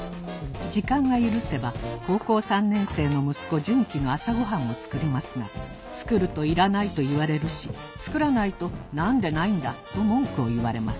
時間が許せば高校３年生の息子順基の朝ごはんも作りますが作ると「いらない」と言われるし作らないと「何でないんだ」と文句を言われます